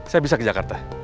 saya bisa ke jakarta